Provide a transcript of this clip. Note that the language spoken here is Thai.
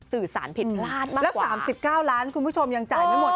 สื่อสารผิดพลาดมากแล้ว๓๙ล้านคุณผู้ชมยังจ่ายไม่หมด